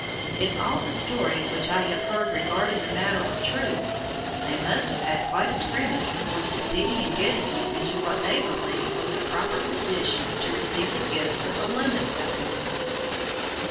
If all the stories which I have heard regarding the matter are true, they must have had quite a scrimmage before succeeding in getting him into what they believed was a proper position to receive the gifts of the London Company.